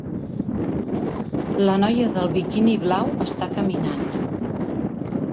La noia del biquini blau està caminant.